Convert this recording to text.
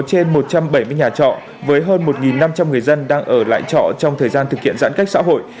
trên một trăm bảy mươi nhà trọ với hơn một năm trăm linh người dân đang ở lại trọ trong thời gian thực hiện giãn cách xã hội